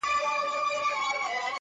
o خيرات پر باچا لا روا دئ٫